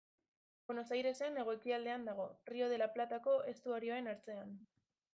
Buenos Airesen hego-ekialdean dago, Rio de la Platako estuarioaren ertzean.